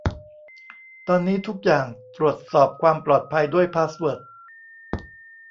ตอนนี้ทุกอย่างตรวจสอบความปลอดภัยด้วยพาสเวิร์ด